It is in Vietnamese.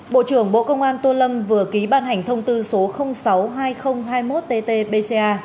bộ trưởng bộ công an tô lâm vừa ký ban hành thông tư số sáu mươi hai nghìn hai mươi một ttpca